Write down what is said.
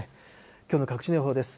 きょうの各地の予報です。